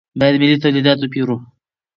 باید ملي تولیدات وپېرو.